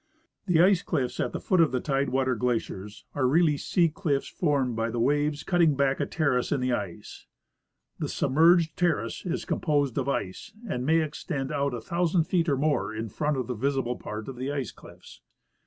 The ice cliffs at the foot of the tide water glaciers are really sea cliffs formed by the waves cutting back a terrace in the ice. The submerged terrace is composed of ice, and may extend out a thousand feet or more in front of the visible part of the ice cliffs.